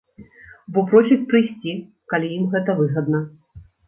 Бо просяць прыйсці, калі ім гэта выгадна.